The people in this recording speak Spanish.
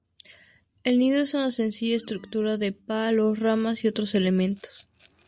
El nido es una sencilla estructura de palos, ramas y otros elementos.